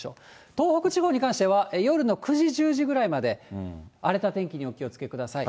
東北地方に関しては、夜の９時、１０時ぐらいまで、荒れた天気にお気をつけください。